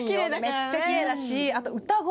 めっちゃきれいだしあと歌声。